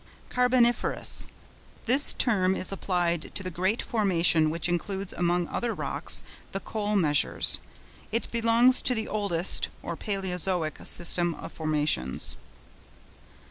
CARBONIFEROUS.—This term is applied to the great formation which includes, among other rocks, the coal measures. It belongs to the oldest, or Palæozoic, system of formations.